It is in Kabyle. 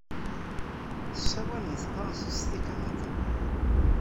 Ssawalen tafṛensist deg Kanada?